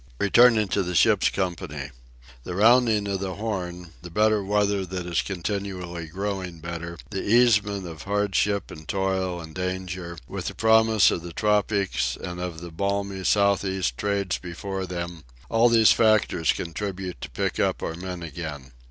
Returning to the ship's company. The rounding of the Horn, the better weather that is continually growing better, the easement of hardship and toil and danger, with the promise of the tropics and of the balmy south east trades before them—all these factors contribute to pick up our men again.